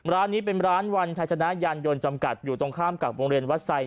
ร้านนี้เป็นร้านวันชายชนะยานยนต์จำกัดอยู่ตรงข้ามกับโรงเรียนวัดไซค